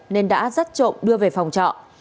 nên đã rắt trộm đưa về phòng trọ